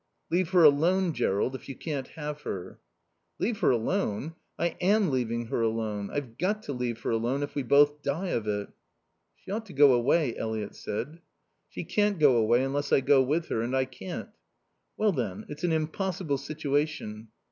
"Leave her alone, Jerrold, if you can't have her." "Leave her alone? I am leaving her alone. I've got to leave her alone, if we both die of it." "She ought to go away," Eliot said. "She shan't go away unless I go with her. And I can't."' "Well, then, it's an impossible situation."